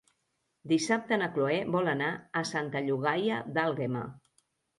Dissabte na Cloè vol anar a Santa Llogaia d'Àlguema.